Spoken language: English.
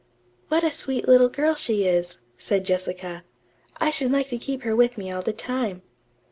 "What a sweet little girl she is," said Jessica. "I should like to keep her with me all the time."